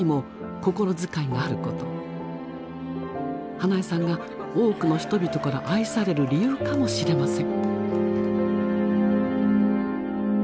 英恵さんが多くの人々から愛される理由かもしれません。